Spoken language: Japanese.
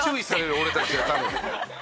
俺たちは多分。